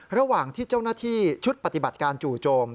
ระหว่างที่เจ้าหน้าที่ชุดปฏิบัติการจู่โจม